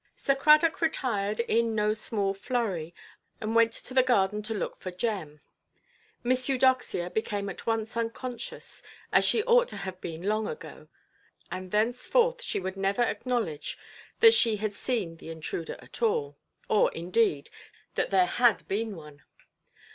Sir Cradock retired in no small flurry, and went to the garden to look for Jem. Miss Eudoxia became at once unconscious, as she ought to have been long ago; and thenceforth she would never acknowledge that she had seen the intruder at all; or, indeed, that there had been one.